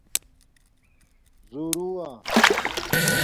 زورُوا